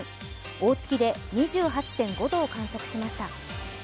大月で２８．５度を観測しました。